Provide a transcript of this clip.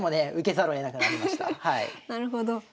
なるほど。